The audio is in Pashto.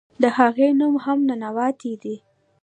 د هغې نوم هم "ننواتې" دے.